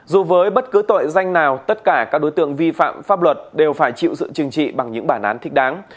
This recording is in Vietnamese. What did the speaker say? dù với bất cứ tội danh nào tất cả các đối tượng vi phạm pháp luật đều phải chịu sự chừng trị bằng những bản án thích đáng